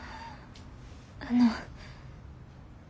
あの。